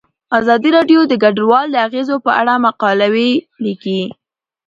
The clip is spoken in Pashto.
ازادي راډیو د کډوال د اغیزو په اړه مقالو لیکلي.